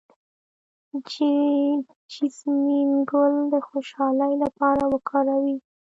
د جیسمین ګل د خوشحالۍ لپاره وکاروئ